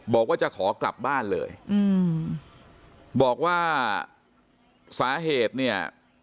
บอกว่าจะขอกลับบ้านเลยอืมบอกว่าสาเหตุเนี่ย